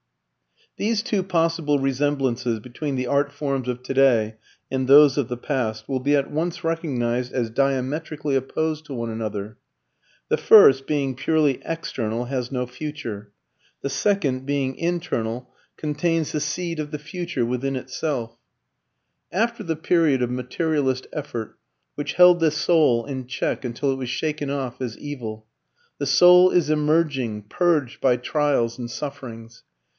These two possible resemblances between the art forms of today and those of the past will be at once recognized as diametrically opposed to one another. The first, being purely external, has no future. The second, being internal, contains the seed of the future within itself. After the period of materialist effort, which held the soul in check until it was shaken off as evil, the soul is emerging, purged by trials and sufferings.